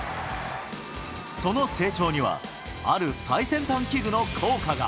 その成長には、ある最先端器具の効果が。